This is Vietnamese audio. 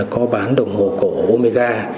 có bán đồng hồ cổ omega